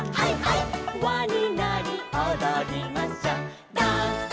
「わになりおどりましょう」